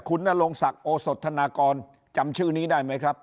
คุณนรงศักดิ์โอสธนากรจำชื่อนี้ได้ไหมครับ